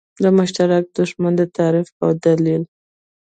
د مشترک دښمن د تعریف په دلیل.